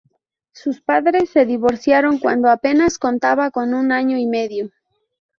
Sus padres se divorciaron cuando apenas contaba con un año y medio.